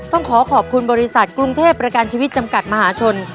ต้องขอขอบคุณบริษัทกรุงเทพประกันชีวิตจำกัดมหาชน